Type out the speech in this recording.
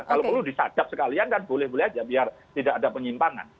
kalau perlu disadap sekalian kan boleh boleh aja biar tidak ada penyimpangan